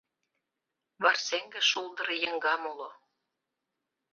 Варсеҥге шулдыр - еҥгам уло.